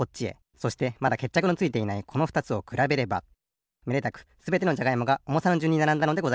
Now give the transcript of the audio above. そしてまだけっちゃくのついていないこのふたつをくらべればめでたくすべてのじゃがいもがおもさのじゅんにならんだのでございます。